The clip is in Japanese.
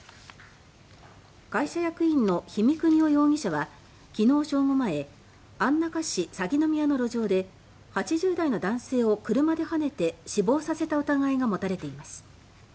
会社役員の氷見国雄容疑者は昨日正午前、安中市鷺宮の路上で８０代の男性を車ではねて死亡させた疑いが持たれています。